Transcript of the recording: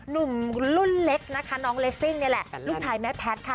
รุ่นเล็กนะคะน้องเรซิ่งนี่แหละรุ่นถ่ายแมทแพทค่ะ